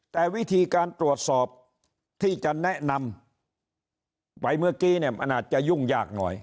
แต่วิธีการตรวจสอบที่จะแนะนำไปเมื่อกี้เนี่ยมันอาจจะยุ่งยากหน่อย